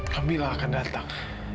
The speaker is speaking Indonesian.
kamila akan datang